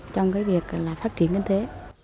trong việc phát triển nhân thế